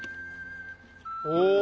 お！